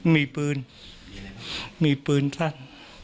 มีปืนมีปืนสั้น